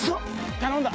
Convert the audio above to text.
頼んだ！